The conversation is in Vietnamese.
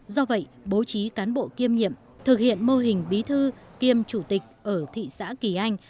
do vậy bố trí cán bộ kiêm nhiệm thực hiện mô hình bí thư kiêm chủ tịch ở thị xã kỳ anh